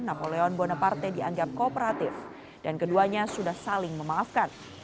napoleon bonaparte dianggap kooperatif dan keduanya sudah saling memaafkan